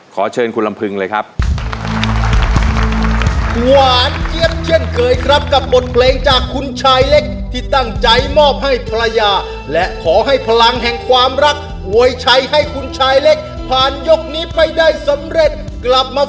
ขอเชิญคุณลำพึงเลยครับ